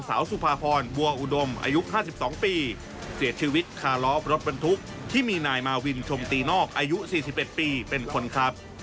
อายุ๔๑ปีเป็นคนครับ